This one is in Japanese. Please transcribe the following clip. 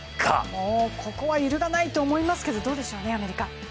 もうここは揺るがないと思いますけれども、どうでしょうね、アメリカ。